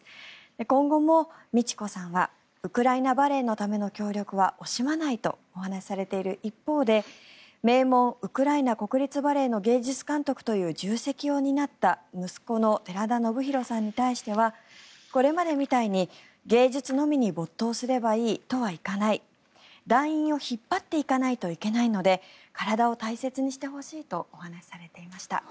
今後も美智子さんはウクライナバレエのための協力は惜しまないとお話しされている一方で名門ウクライナ国立バレエ監督の芸術監督という重責を担った息子の寺田宜弘さんに対してはこれまで見たいに芸術のみに没頭すればいいとはいかない団員を引っ張っていかないといけないので体を大切にしてほしいとお話しされていました。